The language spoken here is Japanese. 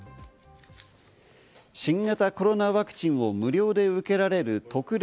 新型コロナワクチンを無料で受けられる特例